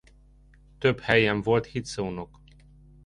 Több helyen volt hitszónok.